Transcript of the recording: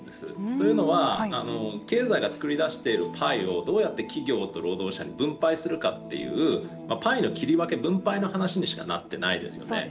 というのは経済がつくり出しているパイをどうやって企業と労働者に分配するかというパイの切り分け分配の話にしかなっていないですよね。